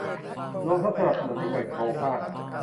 รวมทั้งสนับสนุนให้เกิดโครงสร้าง